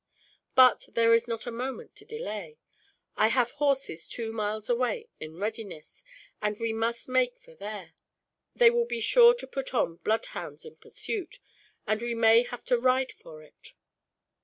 "But there is not a moment to delay. I have horses two miles away in readiness, and we must make for there. They will be sure to put on bloodhounds in pursuit, and we may have to ride for it."